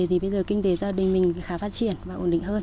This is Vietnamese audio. thì bây giờ kinh tế gia đình mình khá phát triển và ổn định hơn